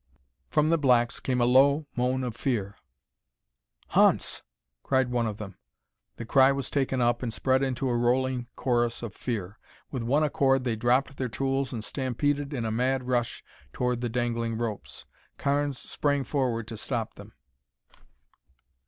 From the blacks came a low moan of fear. "Ha'nts!" cried one of them. The cry was taken up and spread into a rolling chorus of fear. With one accord they dropped their tools and stampeded in a mad rush toward the dangling ropes. Carnes sprang forward to stop them.